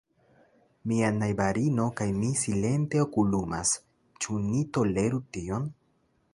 Mia najbarino kaj mi silente okulumas: ĉu ni toleru tion?